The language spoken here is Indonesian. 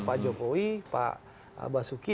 pak jokowi pak basuki